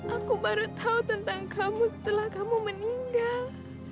aku baru tahu tentang kamu setelah kamu meninggal